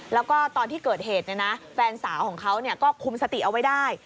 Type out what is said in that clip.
แล้วก็ตอนที่เกิดเหตุแฟนสาวของเขาก็คุมสติเอาไว้ได้